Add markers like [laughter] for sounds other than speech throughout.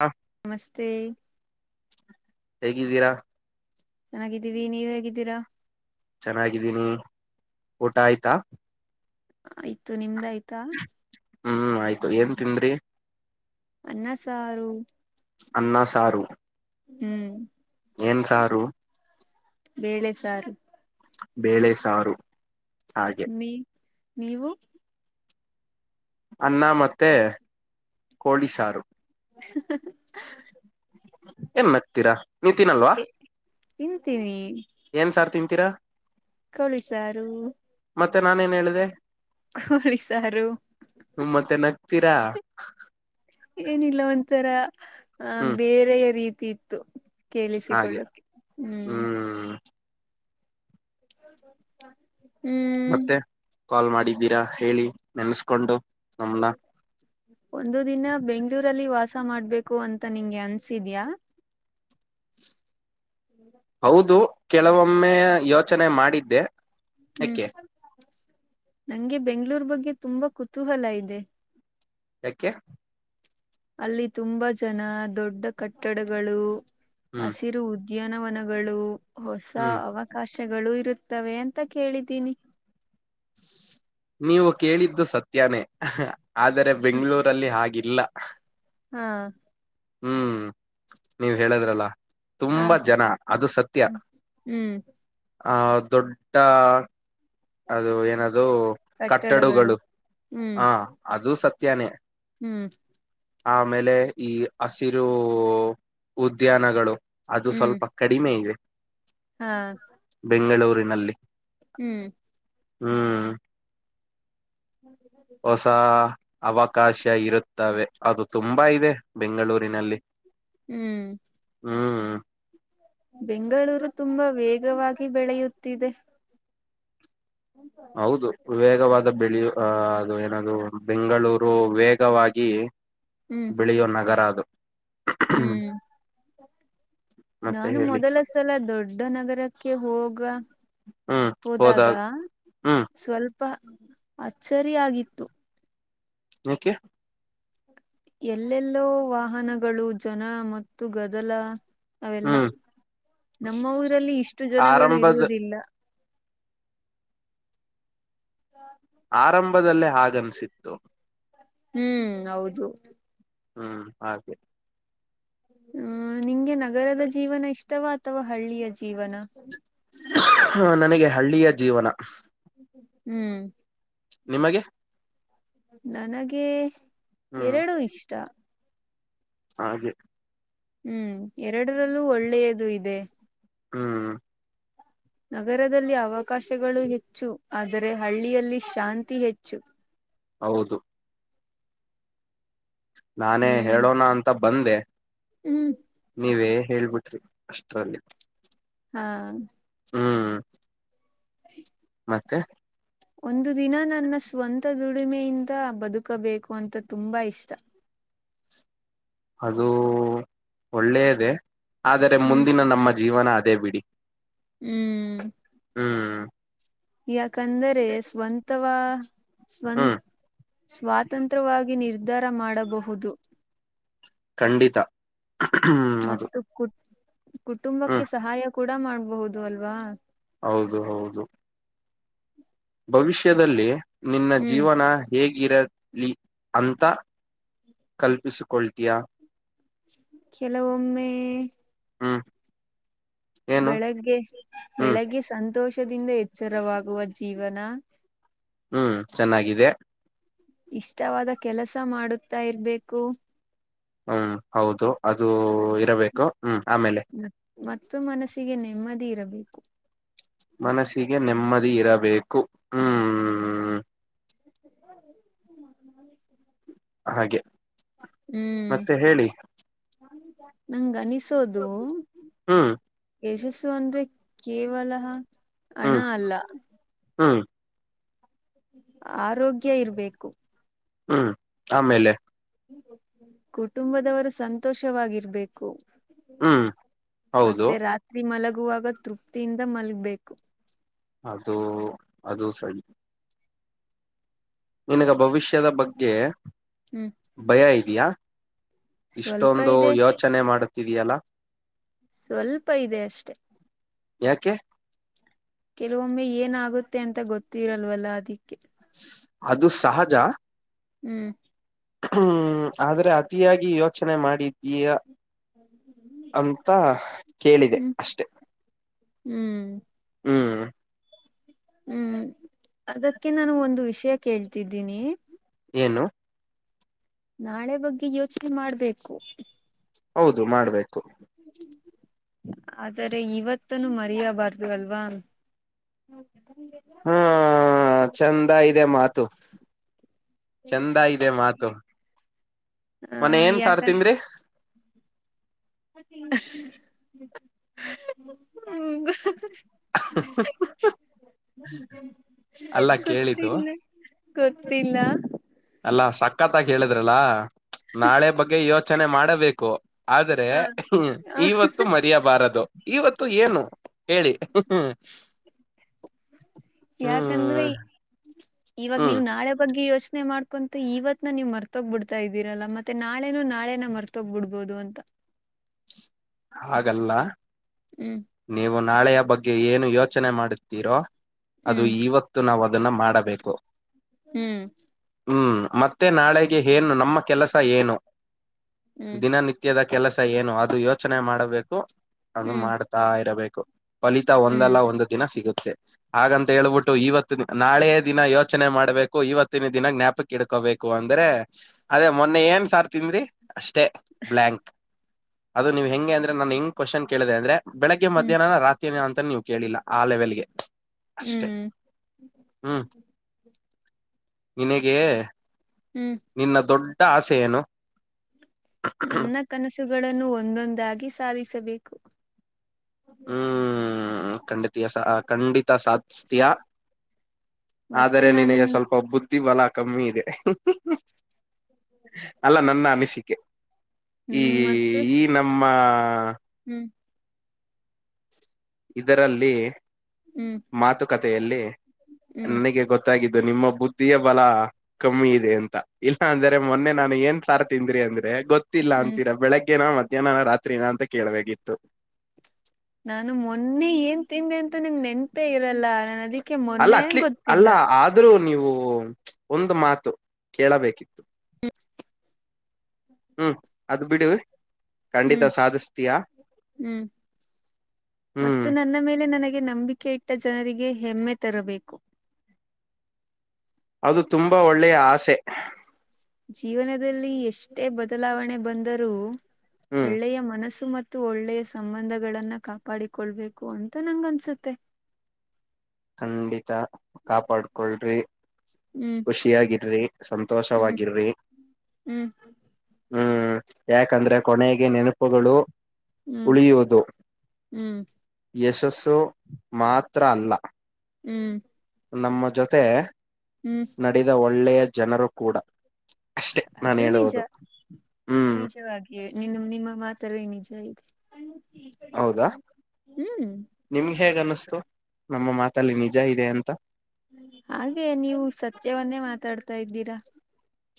ಹಾ ನಮಸ್ತೆ ಹೇಗಿದ್ದೀರಾ ಚೆನ್ನಾಗಿದ್ದೀವಿ ನೀವ್ ಹೇಗಿದ್ದೀರಾ ಚೆನ್ನಾಗಿದ್ದೀನಿ ಊಟ ಆಯ್ತಾ ಆಯ್ತು ನಿಮ್ದ ಆಯ್ತಾ ಹ್ಮ್ ಆಯ್ತು ಏನ್ ತಿಂದ್ರಿ ಅನ್ನ ಸಾರು ಅನ್ನ ಸಾರು ಹ್ಮ್ ಏನ್ ಸಾರು ಬೇಳೆ ಸಾರು ಬೇಳೆ ಸಾರು ಹಾಗೆ ನೀ ನೀವು ಅನ್ನ ಮತ್ತು ಕೋಳಿ ಸಾರು ಸ ಸ ಏನ್ ಹಕ್ತೀರಾ ನಿತನ್ಲ್ವಾ ತಿಂತೀವಿ ಏನ್ ಸಾರ್ ತಿಂತೀರಾ ಕೋಳಿ ಸಾರು ಮತ್ತೆ ನಾನೇನ್ ಹೇಳಿದೆ ಕೋಳಿಸಾರು ಹ್ಮ್ ಮತ್ತೆ ನಗ್ತೀರಾ ಏನಿಲ್ಲ ಒಂಥರ ಆ ಹ್ಮ್ ಬೇರೆ ರೀತಿ ಇತ್ತು ಹಾಗೆ ಕೇಳಿಸಿಕೊಳ್ಳಕೆ ಹ್ಮ್ ಹ್ಮ್ ಮತ್ತೆ ಕಾಲ್ ಮಾಡಿದ್ದೀರಾ ಹೇಳಿ ನೆನಸ್ಕೊಂಡು ಹೌ ಒಂದು ದಿನ ಬೆಂಗ್ಳೂರಲ್ಲಿ ವಾಸ ಮಾಡ್ಬೇಕು ಅಂತ ನಿಂಗೆ ಅನ್ಸಿದ್ಯಾ ಹೌದು ಕೆಲವೊಮ್ಮೆ ಯೋಚನೆ ಮಾಡಿದ್ದೆ ಹ್ಮ್ ಯಾಕೆ ನಂಗೆ ಬೆಂಗ್ಗಳೂರ್ ಬಗ್ಗೆ ತುಂಬಾ ಕುತೂಹಲ ಇದೆ ಯಾಕ್ಕೆೆ ಅಲ್ಲಿ ತುಂಬಾ ಜನ ದೊಡ್ಡ ಕಟ್ಟಡಗಳು ಹ್ಮ್ ಹಸಿರು ಉದ್ದ ಜೀನವನಗಳು ಹೊಸ ಹ್ಮ್ ಅವಕಾಶಗಳು ಇರುತ್ತವೆ ಅಂತ ಕೇಳಿದೀನಿ ನೀವು ಕೇಳಿದ್ದು ಸತ್ಯನೇ ಆದರೆ ಹ, ಬೆಂಗಳೂರಲ್ಲಿ ಹಲ್ಲ ಹಾ ಹ್ಮ್ ನೀವ್ ಹೇಳದ್ರಲ್ಲ ಹಾ ತುಂಬಾ ಜನ ಅದು ಸತ್ಯ ಹ್ಮ್ ಹ್ಮ್ ಆಹ ದೊಡ್ಡ ಅದು ಏನದು ಕಟ್ಟಡಗಳು ಹ್ಮ್ ಹ ಅದು ಸತ್ಯನೇ ಹ್ಮ್ ಆಮೇಲೆ ಈ ಹಸಿರು ಉದ್ಯಾನಗಳು ಅದು ಹ್ಮ್ ಸ್ವಲ್ಪ ಕಡಿಮೆ ಇವೆ ಹಾ ಬೆಂಗಳೂರಿನಲ್ಲಿ ಹ್ಮ್ ಹ್ಮ್ ಹೌ ಹ ಹೊಸ ಅವಕಾಶ ಇರುತ್ತವೆ ಅದು ತುಂಬಾ ಇದೆ ಬೆಂಗಳೂರಿನಲ್ಲಿ ಹ್ಮ್ ಹ್ಮ್ ಬೆಂಗಳೂರು ತುಂಬಾ ವೇಗವಾಗಿ ಬೆಳೆಯುತ್ತಿದೆ ಹೌದು ವೇಗವಾದ ಬೆಳೆಯು ಅ ಅದು ಏನದು ಬೆಂಗಳೂರು ವೇಗವಾಗಿ ಹ್ಮ್ ಬೆಳೆಯೋ ನಗರ ಅದು ಹ್ಮ್ ಮತ್ತೆ ನಾನು ಹೇಳಿ ಮೊದಲ ಸಲ ದೊಡ್ಡ ನಗರಕ್ಕೆ ಹೋಗ ಹೋದಾಗ ಹ್ಮ್ ಸ್ವಲ್ಪ ಅಚ್ಚರಿ ಆಗಿತ್ತು ಓಕೆ ಎಲ್ಲೆಲ್ಲೋ ವಾಹನಗಳು ಜನ ಮತ್ತು ಗದಲ ಅವೆಲ್ಲ ಹ್ಮ್ ನಮ್ಮ ಊರಲ್ಲಿ ಇಷ್ಟು ಜನಗಳು ಆರಂಭದ ಇರುವುದಿಲ್ಲ ಆರಂಭದಲ್ಲೇ ಹಾಗನ್ಸತ್ತು ಹ್ಮ್ ಹೌದು ಹ್ಮ್ ಹಾಗೆ ಹ್ಮ ನಿಂಗೆ ನಗರದ ಜೀವನ ಇಷ್ಟವಾ ಅಥವಾ ಹಳ್ಳಿಯ ಜೀವನ ಹ ನನಗೆ ಹಳ್ಳಿಯ ಜೀವನ ಹ್ಮ್ ನಿಮಗೆ ನನಗೆ ಹ್ಮ್ ಎರಡುೂ ಇಷ್ಟ ಹಾಗೆ ಹ್ಮ್ ಎರಡರಲ್ಲೂ ಒಳ್ಳೆಯದು ಇದೆ ಹ್ಮ್ ನಗರದಲ್ಲಿ ಅವಕಾಶಗಳು ಹೆಚ್ಚು ಆದರೆ ಹಳ್ಳಿಯಲ್ಲಿ ಶಾಂತಿ ಹೆಚ್ಚು ಹೌದು ನಾನೇ ಹ್ಮ್ ಹೇಳೋಣ ಅಂತ ಬಂದೆ ಹ್ಮ್ ನೀವೇ ಹೇಳ್ಬಿಟ್ರಿ ಅಷ್ಟರಲ್ಲಿ ಹಾ ಹ್ಮ್ ಹ ಮತ್ತೆ ಒಂದು ದಿನ ನನ್ನ ಸ್ವಂತ ದುಡಿಮೆಯಿಂದ ಬದುಕಬೇಕು ಅಂತ ತುಂಬಾ ಇಷ್ಟ ಅದು ಒಳ್ಳೇದೆ ಆದರೆ ಹ್ಮ್ ಮುಂದಿನ ನಮ್ಮ ಜೀವನ ಅದೇ ಬಿಡಿ ಹ್ಮ್ ಹ್ಮ್ ಯಾಕಂದರೆ ಸ್ವಂತವಾ ಸ್ವಂತ ಹ್ಮ್ ಸ್ವಾತಂತ್ರ್ಯವಾಗಿ ನಿರ್ಧಾರ ಮಾಡಬಹುದು ಖಂಡಿತ ಅದು ಮತ್ತು ಕುಟ್ ಹ್ಮ್ ಕುಟುಂಬಕ್ಕೆ ಸಹಾಯ ಕೂಡ ಮಾಡ್ಬಹುದು ಅಲ್ವಾ ಹೌದು ಹೌದು ಭವಿಷ್ಯದಲ್ಲಿ ನಿನ್ನ ಹ್ಮ್ ಜೀವನ ಹೇಗಿರಲಿ ಅಂತ ಕಲ್ಪಿಸಿಕೊಳ್ತೀಯಾ ಕೆಲವೊಮ್ಮೆ ಹ್ಮ ಬೆಳಗ್ಗೆ ಬೆಳಗ್ಗೆ ಸಂತೋಷದಿಂದ ಎಚ್ಚರವಾಗುವ ಜೀವನ ಹ್ಮ್ ಚೆನ್ನಾಗಿದೆ ಇಷ್ಟವಾದ ಕೆಲಸ ಮಾಡುತ್ತಾ ಇರ್ಬೇಕು ಹ್ಮ್ ಹೌದು ಅದು ಇರಬೇಕು ಹ್ಮ್ ಆಮೇಲೆ. ಮತ್ತ ಮನಸ್ಸಿಗೆ ನೆಮ್ಮದಿ ಇರಬೇಕು. ಮನಸ್ಸಿಗೆ ನೆಮ್ಮದಿ ಇರಬೇಕು ಹ್ಮ್. ನ. ಹಾಗೆ. ಹ್ಮ್ ಮತ್ತೆ ಹೇಳಿ ನಂಗ ಅನಿಸೋದು. ಹ್ಮ್ ಯಶಸ್ಸು ಅಂದ್ರೆ ಕೇವಲ ಹಣ ಅಲ್ಲ. ಹಾ. ಆರೋಗ್ಯ ಇರ್ಬೇಕು. ಹ್ಮ್ ಆಮೇಲೆ. ಕುಟುಂಬದವರು ಸಂತೋಷವಾಗಿರ್ಬೇಕು. ಹ್ಮ್ ಹೌದು ಮತ್ತೆ ರಾತ್ರಿ ಮಲಗುವಾಗ ತೃಪ್ತಿಯಿಂದ ಮಲಗ್ಬೇಕು. ಅದು ಅದು ಸರಿ. ನಿನಗ ಭವಿಷ್ಯದ ಬಗ್ಗೆ. ಹ್ಮ್. ಭಯ ಇದಯಾ ಸ್ವಲ್ಪ ಇಷ್ಟೊಂದು ಇದೆ ಯೋಚನೆ ಮಾಡುತ್ತಿದಿಯಲ್ಲ. ಸ್ವಲ್ಪ ಇದೆ ಅಷ್ಟೆ. ಯಾಕೆ. ಕೆಲವೊಮ್ಮೆ ಏನ ಆಗುತ್ತೆ ಅಂತ ಗೊತ್ತಿರಲ್ವಲ್ಲ ಅದಿಕ್ಕೆ. ಅದು ಸಹಜ ಹ್ಮ್ ಹ್ಮ್ ಆದ್ರೆ ಅತಿಯಾಗಿ ಯೋಚನೆ ಮಾಡಿದ್ದೀಯಾ ಅಂತ ಕೇಳಿದೆ ಹ್ಮ್ ಅಷ್ಟೆ ಹ್ಮ್ ಹ್ಮ್ ಹ್ಮ್ ಅದಕ್ಕೆ ನಾನು ಒಂದು ವಿಷಯ ಕೇಳ್ತಿದ್ದೀನಿ ಏನು ನಾಳೆ ಬಗ್ಗೆ ಯೋಚನೆ ಮಾಡ್ಬೇಕು ಹೌದು ಮಾಡ್ಬೇಕು ಆದರೆ ಇವತ್ತನು ಮರಯಬಾರ್ದು ಅಲ್ವಾ ಓಕೆ [inaudible] ಹ್ಮ ಚಂದ ಇದೆ ಮಾತು ಚಂದ ಇದೆ ಮಾತು ಆ ಮನೆ ಏನ್ ಯಾಕಂದ ಸಾರ್ತನ ಹ್ಮ ಅಲ್ಲ ಕೇಳಿದ್ದು ಗೊತ್ತಲ್ಲ ಗೊತ್ತಿಲ್ಲ ಅಲ್ಲಾ ಸಕ್ಕತ್ತಾಗಿ ಹೇಳಿದ್ರಲ್ಲ ನಾಳೆ ಬಗ್ಗೆ ಯೋಚನೆ ಮಾಡಬೇಕು ಆದ್ರೆ ಹ ಇವತ್ತು ಮರ್ಯಾದೆ ಬಾರದು ಇವತ್ತು ಏನು ಹೇಳಿ ಯಾಕಂದ್ರೆ ಹ್ಮ್ ಇವಾಗ ಹ್ಮ್ ನೀವು ನಾಳೆ ಬಗ್ಗೆ ಯೋಚನೆ ಮಾಡ್ ಕಂತು ಇವತ್ ನ ನೀವು ಮರ್ತೋಗ್ ಬಿಡ್ ಇದೀರಲ್ಲ ಮತ್ತೆ ನಾಳೆನು ನಾಳೆನ ಮರ್ತೋಗ್ಬ ಬಿಡ್ಬೋದು ಅಂತ ಹಾಗಲ್ಲ ಹ್ಮ್ ನೀವು ನಾಳೆಯ ಬಗ್ಗೆ ಏನು ಯೋಚನೆ ಮಾಡುತ್ತೀರೋ ಅದು ಹ್ಮ್ ಇವತ್ತು ನಾವವು ಅದನ್ನ ಮಾಡಬೇಕು ಹ್ಮ್ ಹ್ಮ್ ಮತ್ತೆ ನಾಳೆಗೆ ಏನು ನಮ್ಮ ಕೆಲಸ ಏನು ಹ್ಮ್ ದಿನನಿತ್ಯ ನಿತ್ಯದ ಕೆಲಸ ಏನು ಅದು ಯೋಚನೆ ಮಾಡಬೇಕು ಅದು ಹ್ಮ್ ಮಾಡ್ತಾ ಇರಬೇಕು ಫಲಿತ ಹ್ಮ್ ಒಂದಲ್ಲ ಒಂದು ದಿನ ಸಿಗುತ್ತೆ ಹಾಗಂತ ಹೇಳ್ಬಿಟ್ಟು ಇವತ್ತ ನಾಳೆ ದಿನ ಯೋಚನೆ ಮಾಡ್ಬೇಕು ಇವತ್ತಿನ ದಿನ ಜ್ಞಾಪಕ ಇಡ್ಕೋಬೇಕು ಅಂದ್ರೆ ಅದೇ ಮೊನ್ನೆ ಏನ್ ಸಾರ್ ತಿಂದ್ರಿ ಅಷ್ಟೇ ಬ್ಲಾಂಕ್ ನೀವು ಹೆಂಗೆಂದ್ರೆ ನಾನ ಹೆಂಗ್ವಶ್ನ್ ಕೇಳಿದೆ ಅಂದ್ರೆ ಬೆಳಗ್ಗೆ ಹ್ಮ್ ಮ್ಯಾಹ್ನ ರತ್ರಿ ಅಂತ ನೀವು ಕೇಳಿಲ್ಲ ಆ ಲೆವೆಲ್ಗೆ ಅಷ್ಟೆ ಹ್ಮ್ ಹ್ಮ್ ನಿನಗೆ ಹ್ಮ್ ನಿನ್ನ ದೊಡ್ಡ ಆಸೆ ಏನು ನನ್ನ ಕನಸುಗಳನ್ನು ಒಂದೊಂದಾಗಿ ಸಾಧಿಸಬೇಕು ಹ್ಮ್ ಖಂಡಿತ ಖಂಡಿತ ಸಾಧ್ಯ ಅಷ್ಟತಯಾ ಮತ್ತೆ ಆದರೆ ನಾನು ನಿನಗೆ ಸ್ವಲ್ಪ ಬುದ್ಧಿ ಬಲ ಕಮ್ಮಿ ಇದೆ [inaudible] ಅಲ್ಲ ನನ್ನ ಅನಿಸಿಕೆ ಈ ಹ್ಮ್ ಮತ್ತು ಈ ನಮ್ಮ ಹ್ಮ್ ಇದರಲ್ಲಿ ಹ್ಮ್ ಮಾತುಕತೆಯಲ್ಲಿ ಹ್ಮ್ ನನಗೆ ಗೊತ್ತು ಗೊತ್ತಾಗಿದ್ದು ನಿಮ್ಮ ಬುದ್ಧಿಯೇ ಬಲ ಕಮ್ಮಿ ಇದೆ ಅಂತ ಇಲ್ಲ ಅಂದ್ರೆ ಮೊನ್ನೆ ನಾನನ್ ಏನ್ ಸಾರ ತಿಂದ್ರಿ ಅಂದ್ರೆ ಗೊತ್ತ ಗೊತ್ತಿಲ್ಲ ಹ್ಮ್ ಅಂತೀರ ಬೆಳಗ್ಗೆನ ಮಧ್ಯಾಹ್ನ ರಾತ್ರಿ ನ ಅಂತ ಕೇಳ್ಬೇಕಿತ್ತು ನಾನು ಮೊನ್ನೆ ಏನ್ ತಿದೆ ಅಂತ ನಂ ನೆನ್ಪೆ ಇರಲ್ಲ ನಾನ ಅದಿ ಅಲ್ಲ ಅಟ್ಲಿ ಅಲ್ಲ ಆದ್ರೂ ನೀವು ಒಂದು ಮಾತು ಕೇಳಬೇಕಿತ್ತು ಹ್ಮ ಹ್ಮ್ ಅದು ಬಿಡಿ ಖಂಡಿತ ಹ್ಮ್ ಸಾಧಿಸ್ತೀಯಾ. ಹ್ಮ್ ಹ್ಮ್ ಮತ್ತು ನನ್ನ ಮೇಲೆ ನನಗೆ ನಂಬಿಕೆ ಇಟ್ಟ ಜನರಿಗೆ ಹೆಮ್ಮೆ ತರಬೇಕು. ಅದು ತುಂಬಾ ಒಳ್ಳೆಯ ಆಸೆ. ಜೀವನದಲ್ಲಿ ಎಷ್ಟೇ ಬದಲಾವಣೆ ಬಂದರೂ ಹ್ಮ್ ಒಳ್ಳೆಯ ಮನಸ್ಸು ಮತ್ತು ಒಳ್ಳೆಯ ಸಂಬಂಧಗಳನ್ನ ಕಾಪಾಡಿಕೊಳ್ಬೇಕು ಅಂತ ನಂಗ್ ಅನ್ಸುತ್ತೆ. ಖಂಡಿತ ಕಾಪಾಡ್ಕೊಳ್ರಿ ಹ್ಮ್ ಖುಷಿಯಾಗಿರ್ರಿ ಸಂ ಹ್ಮ್ ಸಂತೋಷವಾಗಿರ್ರಿ. ಹ್ಮ್. ಹ್ಮ್ ಯಾಕಂದ್ರೆ ಕೊನೆಗೆ ನೆನಪುಗಳು. ಹ್ಮ್ ಉಳಿಯುವುದು ಹ್ಮ್ ಯಶಸ್ಸು ಮಾತ್ರ ಅಲ್ಲ. ಹ್ಮ್. ನಮ್ಮ ಜೊತೆ. ಹ್ಮ್. ನಡೆದ ಒಳ್ಳೆಯ ಜನರು ಕೂಡ. ಅಷ್ಟೆ ನಾನು ಅದು ನಿಜ ಹೇಳುವುದು ಹ್ಮ್ ನಿಜವಾಗಿ. ನಿನ್ನ ನಿಮ್ಮ ಮಾತಲಿ ನಿಜ ಇದೆ. ಹೌದಾ ಹ್ಮ್ ನಿಮ್ಗೆ ಹೇಗ್ ಅನ್ನಿಸ್ತು ನಮ್ಮ ಮಾತಲ್ಲಿ ನಿಜ ಇದೆ ಅಂತ ಹಾಗೆ ನೀವು ಸತ್ಯವನ್ನೇ ಮಾತಾಡ್ತಾ ಇದ್ದೀರಾ.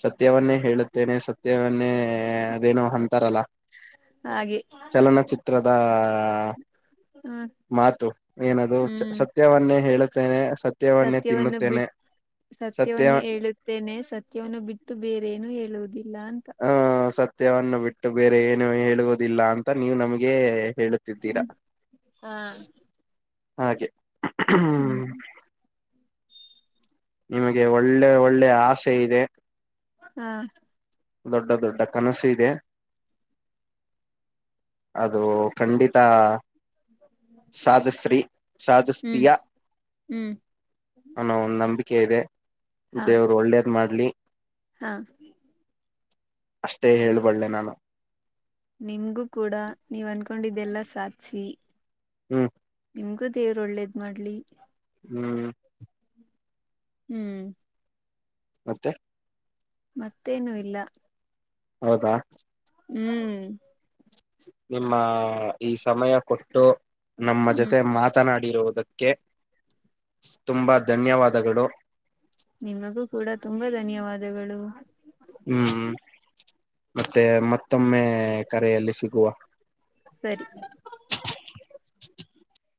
ಸತ್ಯವನ್ನೇ ಹೇಳುತ್ತೇನೆ ಸತ್ಯ ಮತೆ ಮೊನ್ನೇ ಅದೇನು ಅಂತಾರಲ್ಲ ಹಾಗೆ ಚಲನಚಿತ್ರ. ಚಿತ್ರದ ಹ ಮಾತು ಏನದು ಸ ಹ್ಮ್ ಸತ್ಯವನ್ನೇ ಹೇಳುತ್ತೇನೆ ಸ ಸತ್ಯವನ್ನು ಬಿಟ್ಟ ಸತ್ಯ ಸತ್ಯವನ್ನು ಹೇಳು ತೆನೆ ಸತ್ಯವನ್ನು ಬಿಟ್ಟು ಬೇರೆೇನು ಹೇಳುವುದಿಲ್ಲ ಅಂತ. ಆ ಸತ್ಯವನ್ನು ಬಿಟ್ಟು ಬೇರೆ ಏನು ಹೇಳುವುದಿಲ್ಲ ಅಂತ ನೀವು ನಮಗೆ ಹೇಳು ಹ್ಮ್ ಹಾ ಹ್ಮ್ [unintelligible] ನಿಮಗೆ ಒಳ್ಳೆ ಒಳ್ಳೆ ಆಸೆ ಇದೆ. ಹಾ. ದೊಡ್ಡ ದೊಡ್ಡ ಕನಸು ಇದೆ. ಅದು ಖಂಡಿತ. [unintelligible] ಸಾದಶ್ರೀ ಹ್ಮ್ ಸಾದಸ್ತಿಯ ಹ್ಮ್ ಅನ್ನೋ ಒಂದ್ ನಂಬಿಕೆ ಇದೆ ಹಾ ದೇವರು ಒಳ್ಳೇದ್ ಮಾಡ್ಲಿ ಹಾ ಅಷ್ಟೇ ಹೇಳ್ಬಡ್ ನಾನು ನಿಮಗೂ ಕೂಡ ನೀವ ಅನ್ಕೊಂಡಿದ್ದೆಲ್ಲ ಸಾಧಿಸಿ ಹ್ಮ್ ನಿಮ್ಗೂ ದೇವ್ರು ಒಳ್ಳೇದ್ ಮಾಡ್ಲಿ ಹ್ಮ್ ಹ್ಮ್ ಮತ್ತೆ ಮತ್ತೇನು ಇಲ್ಲ ಹೌದಾ ಹ್ಮ್ ನಿಮ್ಮ ಈ ಸಮಯ ಕೊಟ್ಟು ನಮ್ಮ ಹ್ಮ್ ಜೊತೆ ಮಾತ್ರ ಮಾತನಾಡಿರುವುದಕ್ಕೆ ತುಂಬಾ ಧನ್ಯವಾದಗಳು ನಿಮಗೂ ಕೂಡ ತುಂಬಾ ಧನ್ಯವಾದಗಳು ಹ್ಮ್ ಮತ್ತೆ ಮತ್ತೊಮ್ಮೆ ಕರೆಯಲ್ಲಿ ಸಿಗುವ ಸರಿ